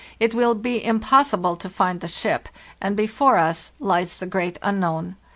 It will be impossible to find the ship, and before us lies the great unknown.